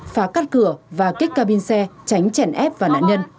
phá cắt cửa và kích ca bin xe tránh chèn ép vào nạn nhân